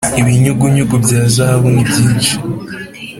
ibinyugunyugu bya zahabu nibyinshi